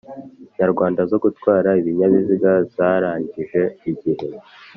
nyarwanda zo gutwara ibinyabiziga zarangije igihe